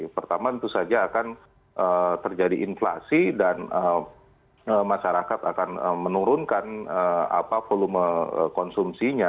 pertama tentu saja akan terjadi inflasi dan masyarakat akan menurunkan volume konsumsinya